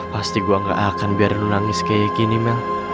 pasti gua gak akan biarin lu nangis kayak gini mel